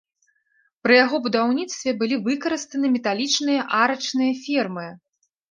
Пры яго будаўніцтве былі выкарыстаны металічныя арачныя фермы.